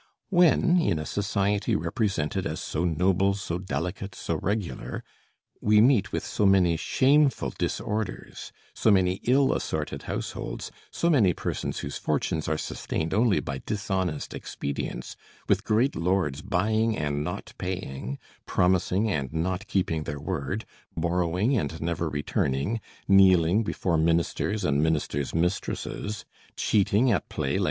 When, in a society represented as so noble, so delicate, so regular, we meet with so many shameful disorders, so many ill assorted households, so many persons whose fortunes are sustained only by dishonest expedients, with great lords buying and not paying, promising and not keeping their word, borrowing and never returning, kneeling before ministers and ministers' mistresses, cheating at play like M.